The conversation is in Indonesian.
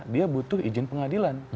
dia butuh izin pengadilan